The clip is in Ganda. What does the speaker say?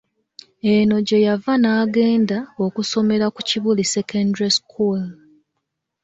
Eno gye yava n'agenda okusomera ku Kibuli Secondary School.